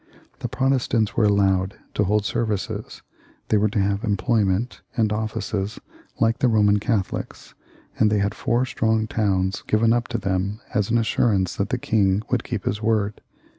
The Protestants were allowed to hold services, they were to have employment and offices like the Eoman Catholics, and they had four strong towns given up to them as an assurance that the king would keep his word.